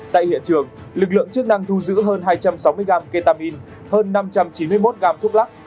tại hiện trường lực lượng chức năng thu giữ hơn hai trăm sáu mươi gram ketamine hơn năm trăm chín mươi một gam thuốc lắc